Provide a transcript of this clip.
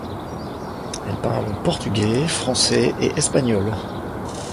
Elle parle portugais, français et espagnol.